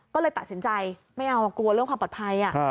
ก็เลยตัดสินใจไม่เอากลัวเรื่องความปลอดภัย